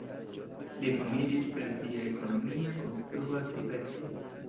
Li famiĝis per sia ekonomia konstrua aktiveco.